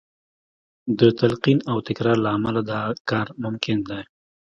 د تلقین او تکرار له امله دا کار ممکن دی